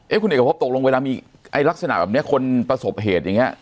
คุณเอกพบตกลงเวลามีลักษณะแบบนี้คนประสบเหตุอย่างนี้